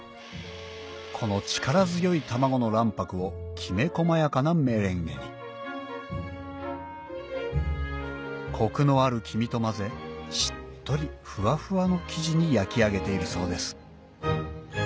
この力強い卵の卵白をきめ細やかなメレンゲにコクのある黄身と混ぜしっとりふわふわの生地に焼き上げているそうです